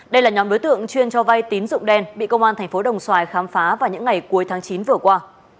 đây là nhóm đối tượng chuyên cho vay tín dụng đen bị công an thành phố đồng xoài khám phá vào những ngày cuối tháng chín vừa qua